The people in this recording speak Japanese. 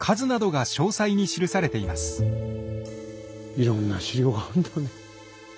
いろんな史料があるんだね。